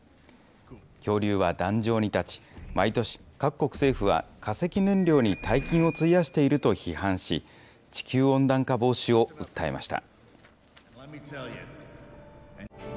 恐竜は壇上に立ち、毎年、各国政府は化石燃料に大金を費やしていると批判し、地球温暖化防止を訴えました。